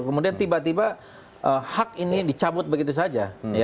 kemudian tiba tiba hak ini dicabut begitu saja